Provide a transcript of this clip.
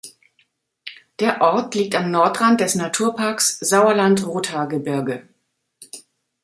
Der Ort liegt am Nordrand des Naturparks Sauerland-Rothaargebirge.